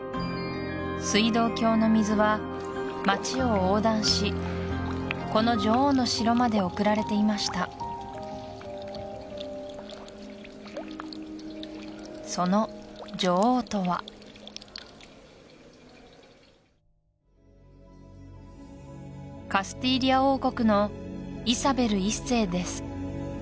水道橋の水は街を横断しこの女王の城まで送られていましたその女王とはカスティーリャ王国のイサベル１世です